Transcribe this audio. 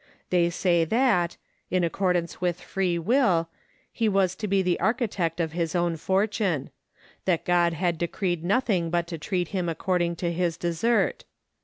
They say that, in accordance with free will, he was to be the architect of his own fortune; that God had decreed nothing but to treat him according to his desert.